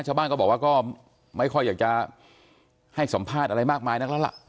ชาวบ้านก็บอกว่าก็ไม่ค่อยอยากจะให้สัมภาษณ์อะไรมากมายนักแล้วล่ะ